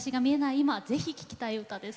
今ぜひ聴きたい歌です。